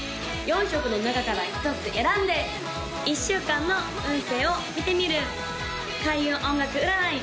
４色の中から１つ選んで１週間の運勢を見てみる開運音楽占い